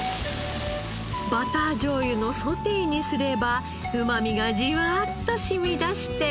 バター醤油のソテーにすればうまみがじわっと染み出して。